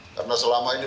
karena selama ini